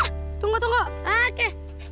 ah tunggu tunggu oke